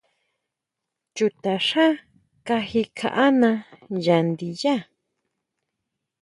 Chuta xá kaji kjaʼána ya ndiyá.